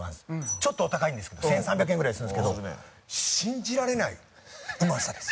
ちょっとお高いんですけど１３００円ぐらいするんですけど信じられないうまさです